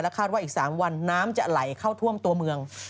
คาดว่าอีก๓วันน้ำจะไหลเข้าท่วมตัวเมือง